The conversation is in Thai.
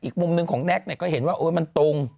อีกมุมนึงของแน็กซ์ก็เห็นว่ามันตรง